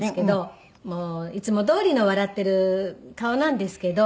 いつもどおりの笑っている顔なんですけど。